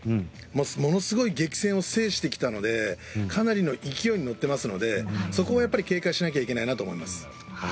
ものすごい激戦を制してきたのでかなりの勢いに乗っていますのでそこはやっぱり警戒しなきゃいけないなと思います。